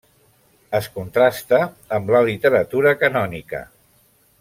Es contrasta amb la literatura canònica.